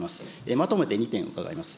まとめて２点伺います。